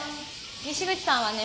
西口さんはね